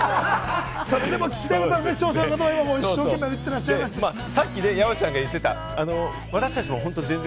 それでも聞きたいことを視聴者の方もね、一生懸命、打っていらっしゃいますでしょうし。